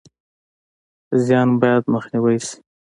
زیان باید مخنیوی شي